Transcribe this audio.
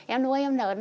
em nuôi em lớn